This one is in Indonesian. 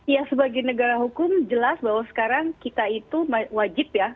ya sebagai negara hukum jelas bahwa sekarang kita itu wajib ya